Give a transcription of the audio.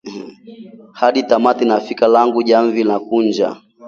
Hadi tamati nafika, langu jamvi nakunja